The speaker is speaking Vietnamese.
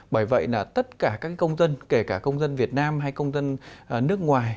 bởi vậy là tất cả các công dân kể cả công dân việt nam hay công dân nước ngoài